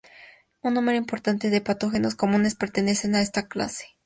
Un número importante de patógenos comunes pertenecen a esta clase; "v.